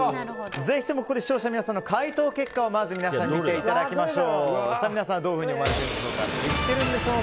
ぜひともここで視聴者の皆さんの回答結果を見ていただきましょう。